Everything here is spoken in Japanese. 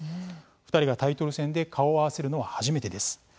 ２人がタイトル戦で顔を合わせるのは初めてです。